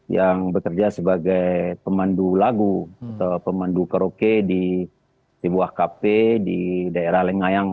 yang bekerja sebagai pemandu lagu atau pemandu karaoke di buah kafe di daerah lengayang